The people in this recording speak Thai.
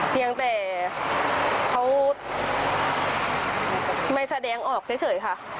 เพียงแต่เขาไม่แสดงออกเฉยค่ะ